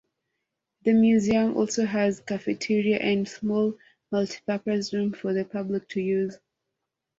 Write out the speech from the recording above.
The museum also has cafeteria and small multipurpose room for the public to use.